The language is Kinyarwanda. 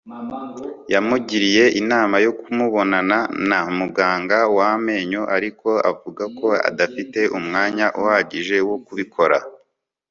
Yamugiriye inama yo kubonana na muganga wamenyo ariko avuga ko adafite umwanya uhagije wo kubikora